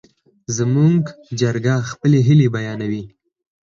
زموږ چرګه خپلې هیلې بیانوي.